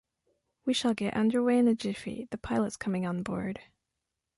We shall get underway in a jiffy, the pilot's coming on board.